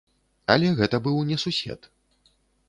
Але гэта быў не сусед.